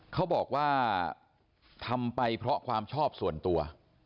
เขาบอกว่าทำไปเพราะความชอบส่วนตัว